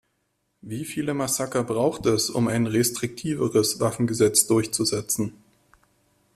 Wie viele Massaker braucht es, um ein restriktiveres Waffengesetz durchzusetzen?